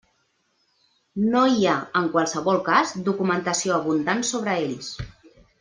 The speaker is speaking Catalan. No hi ha, en qualsevol cas, documentació abundant sobre ells.